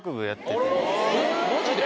マジで？